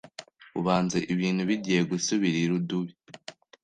Ubanza ibintu bigiye gusubira irudubi